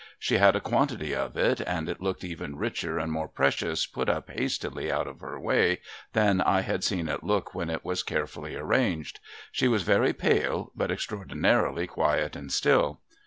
She had a cjuantity of it, and it looked even richer and more precious, put up hastily out of her way, than I had seen it look when it was carefully arranged. She was very pale, but extraordinarily quiet and still.